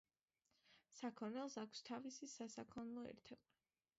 საქონელს აქვს თავისი სასაქონლო ერთეული.